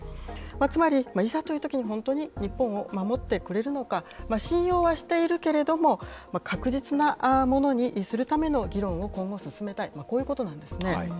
つまり、いざというときに本当に日本を守ってくれるのか、信用はしているけれども、確実なものにするための議論を今後、進めたい、こういうことなんですね。